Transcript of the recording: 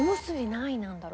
何位なんだろう？